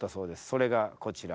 それがこちら。